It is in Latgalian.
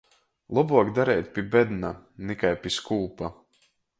Lobuok dareit pi bedna, nakai pi skūpa.